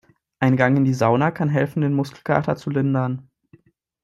Ein Gang in die Sauna kann helfen, den Muskelkater zu lindern.